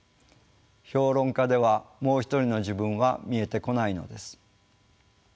評論家では「もう一人の自分」は見えてこないのです。